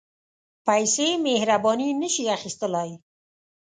پېسې مهرباني نه شي اخیستلای.